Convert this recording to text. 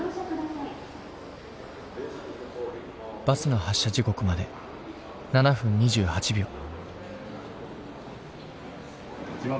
バスの発車時刻まで７分２８秒。